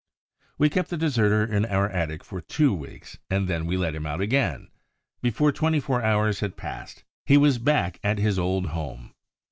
We kept the deserter in our attic for two weeks, and then we let him out again. Before twenty four hours had passed he was back at his old home.